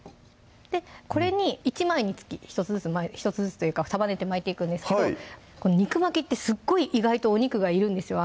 これに１枚につき１つずつ束ねて巻いていくんですけどこの肉巻きってすっごい意外とお肉がいるんですよ